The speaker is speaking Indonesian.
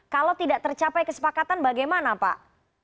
kalau tidak tercapai kesepakatan bagaimana pak